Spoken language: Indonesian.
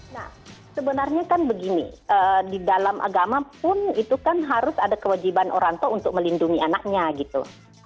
nah sebenarnya kan begini di dalam agama pun itu kan harus ada kewajiban orang tua untuk melindungi anaknya gitu